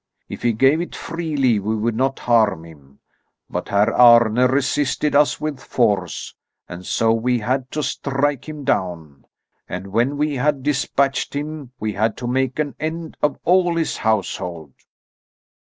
If he gave it freely, we would not harm him. But Herr Arne resisted us with force, and so we had to strike him down. And when we had dispatched him, we had to make an end of all his household."